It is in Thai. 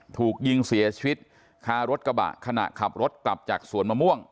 ถูกยิงเสียชีวิตคารถกระบะขณะขับรถกลับจากสวนมะม่วง